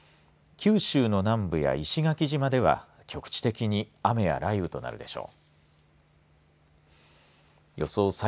九州の南部や石垣島では局地的に雨や雷雨となるでしょう。